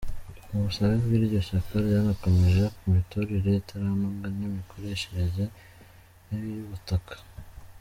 Mu busabe bw’iryo shyaka ryanakomoje ku miturire itaranoga n’imikoreshereze mibi y’ubutaka.